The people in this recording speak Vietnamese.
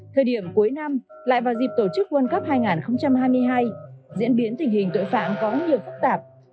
thời điểm cuối năm lại vào dịp tổ chức world cup hai nghìn hai mươi hai diễn biến tình hình tội phạm có nhiều phức tạp